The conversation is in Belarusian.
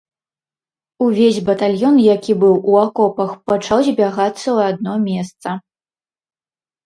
Увесь батальён, які быў у акопах, пачаў збягацца ў адно месца.